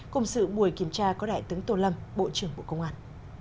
cùng sự buổi kiểm tra có đại tướng tô lâm bộ trưởng bộ công an